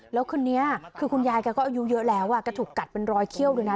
แล้วคนนี้คือคุณยายแกก็อายุเยอะแล้วแกถูกกัดเป็นรอยเขี้ยวเลยนะ